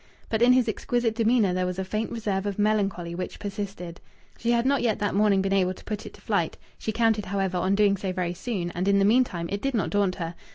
But in his exquisite demeanour there was a faint reserve of melancholy which persisted. She had not yet that morning been able to put it to flight; she counted, however, on doing so very soon, and in the meantime it did not daunt her.